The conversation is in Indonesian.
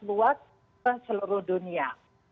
luas ke seluruh dunia